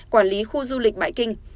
quản lý khu du lịch bái kinh